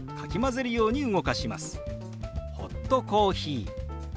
「ホットコーヒー」。